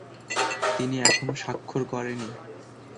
তিনি এখনও স্বাক্ষর করেনি।